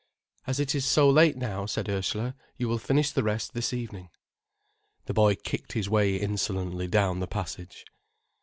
"As it is so late now," said Ursula, "you will finish the rest this evening." The boy kicked his way insolently down the passage.